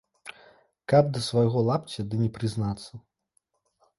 Каб да свайго лапця ды не прызнацца!